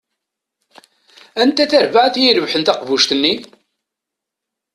Anta tarbaɛt i irebḥen taqbuct-nni?